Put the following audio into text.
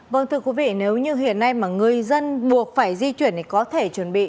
vâng thưa quý vị nếu như hiện nay mà người dân buộc phải di chuyển thì có thể chuẩn bị